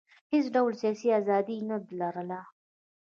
هېڅ ډول سیاسي ازادي یې نه لرله.